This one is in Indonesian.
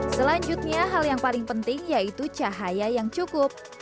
selanjutnya hal yang paling penting yaitu cahaya yang cukup